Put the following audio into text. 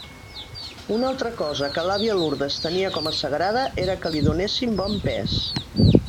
Una altra cosa que l'àvia Lourdes tenia com a sagrada era que li donessin bon pes.